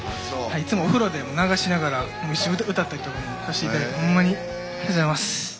いつも、お風呂で流しながら一緒に歌ったりとかもさせていただいてほんまにありがとうございます。